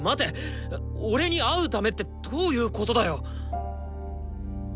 俺に会うためってどういうことだよ！？